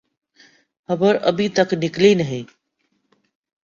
خبر ابھی تک نکلی نہیں۔